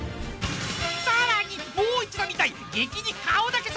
［さらにもう一度見たい］